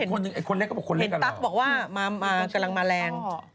เห็นตั๊กบอกว่ากำลังมาแรง